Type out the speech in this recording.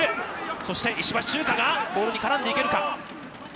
そして石橋チューカが、ボールに絡んでいけるか。